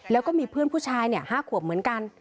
แล้วก็มีเพื่อนผู้ชาย๕ขวบเหมือนกัน